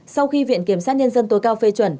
sau khi viện kiểm sát nhân dân tối cao phê chuẩn